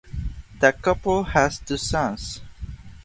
The couple has two sons.